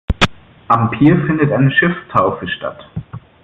Am Pier findet eine Schiffstaufe statt.